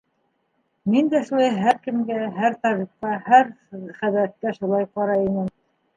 Мин дә шулай һәр кемгә, һәр табипҡа, һәр хәҙрәткә шулай ҡарай инем.